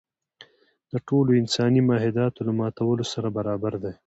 د ټولو انساني معاهداتو له ماتولو سره برابر دی.